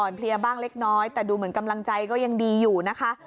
เพลียบ้างเล็กน้อยแต่ดูเหมือนกำลังใจก็ยังดีอยู่นะคะ